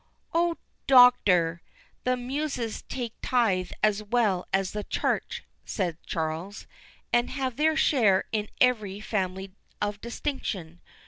"Oh, Doctor, the Muses take tithe as well as the Church," said Charles, "and have their share in every family of distinction.